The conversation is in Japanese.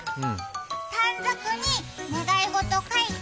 短冊に願い事、書いた？